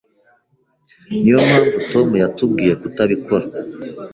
Niyo mpamvu Tom yatubwiye kutabikora.